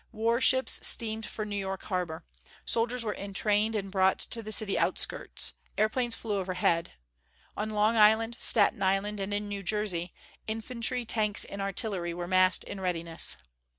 Warships steamed for New York harbor. Soldiers were entrained and brought to the city outskirts. Airplanes flew overhead. On Long Island, Staten Island, and in New Jersey, infantry, tanks and artillery were massed in readiness.